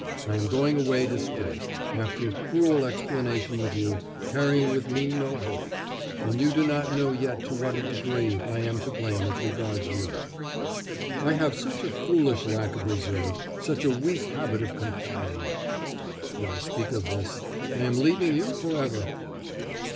I am going away disgraced, after a cruel explanation with you, carrying with me no hope.... And you do not know yet to what a degree I am to blame as regards you... I have such a foolish lack of reserve, such a weak habit of confiding. But why speak of this? I am leaving you for ever!